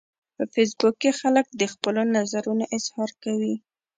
په فېسبوک کې خلک د خپلو نظرونو اظهار کوي